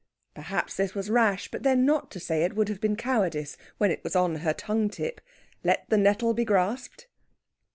Perhaps this was rash. But then, not to say it would have been cowardice, when it was on her tongue tip. Let the nettle be grasped.